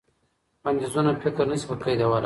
بنديزونه فکر نه سي قيدولای.